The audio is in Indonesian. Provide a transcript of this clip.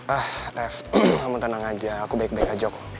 ah ref itu tenang aja aku baik baik aja kok